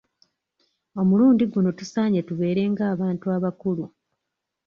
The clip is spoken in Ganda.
Omulundi guno tusaanye tubeera nga abantu abakulu.